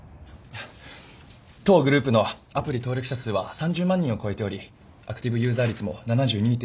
当グループのアプリ登録者数は３０万人を超えておりアクティブユーザー率も７２．４％と高く。